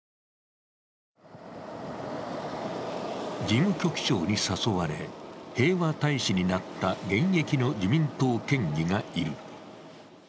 事務局長に誘われ平和大使になった現役の自民党県議がいる。